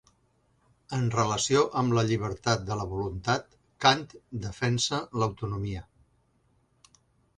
En relació amb la llibertat de la voluntat, Kant defensa l'autonomia.